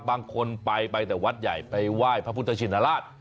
บางคนไปไปแต่วัดใหญ่ไปไหว้พระพุทธชินราช